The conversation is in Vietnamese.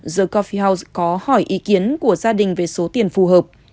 the coffee house có hỏi ý kiến của gia đình về số tiền phù hợp